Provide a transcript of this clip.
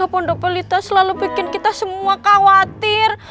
pondok pelita selalu bikin kita semua khawatir